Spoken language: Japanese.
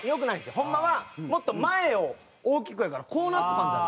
ホンマはもっと前を大きくやからこうなっとかんとダメ。